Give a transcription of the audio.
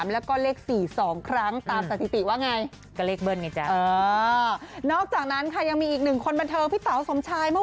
ไม่พูดนะจดได้จด